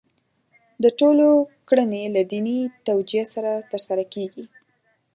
د ټولو کړنې له دیني توجیه سره ترسره کېږي.